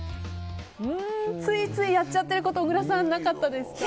ついついやっちゃってること小倉さん、なかったですか？